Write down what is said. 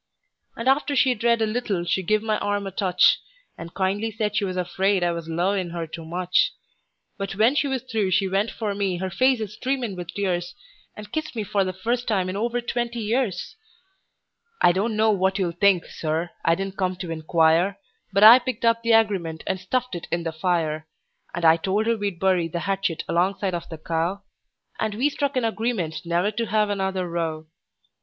And after she'd read a little she give my arm a touch, And kindly said she was afraid I was 'lowin' her too much; But when she was through she went for me, her face a streamin' with tears, And kissed me for the first time in over twenty years! "AND KISSED ME FOR THE FIRST TIME IN OVER TWENTY YEARS!" I don't know what you'll think, Sir I didn't come to inquire But I picked up that agreement and stuffed it in the fire; And I told her we'd bury the hatchet alongside of the cow; And we struck an agreement never to have another row.